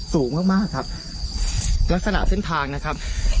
สูงมากมากครับลักษณะเส้นทางนะครับ